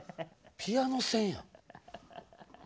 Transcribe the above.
ピアノ線やん。